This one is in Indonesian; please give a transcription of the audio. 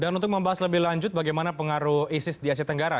untuk membahas lebih lanjut bagaimana pengaruh isis di asia tenggara